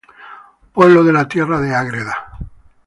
Pueblo de la Tierra de Ágreda.